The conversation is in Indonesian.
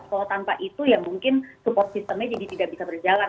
kalau tanpa itu ya mungkin support systemnya jadi tidak bisa berjalan